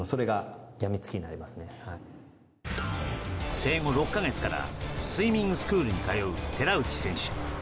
生後６か月からスイミングスクールに通う寺内選手。